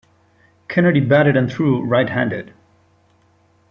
Kennedy batted and threw right-handed.